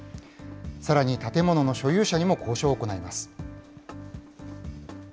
さらに建物の所有者にも交渉を行います。